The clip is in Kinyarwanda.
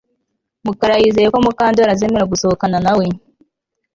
Mukara yizeye ko Mukandoli azemera gusohokana nawe